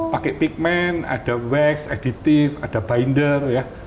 pakai pigment ada wax editif ada binder ya